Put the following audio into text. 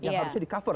ya harusnya di cover